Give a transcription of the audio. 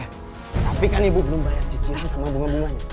tapi kan ibu belum bayar cicilan sama bunga bunganya